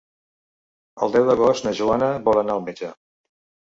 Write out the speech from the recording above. El deu d'agost na Joana vol anar al metge.